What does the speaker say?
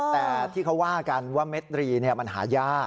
แต่ที่เขาว่ากันว่าเม็ดรีมันหายาก